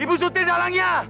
ibu surti dalamnya